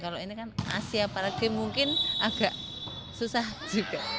kalau ini kan asia para games mungkin agak susah juga